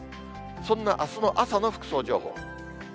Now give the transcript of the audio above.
そんなあすの朝の服装情報。